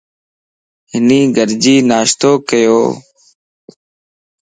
ھني گڏجي ناشتو ڪيو